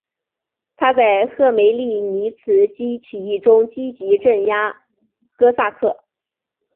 他在赫梅利尼茨基起义中积极镇压哥萨克。